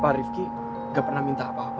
papa rifki gak pernah minta apa apa ke papa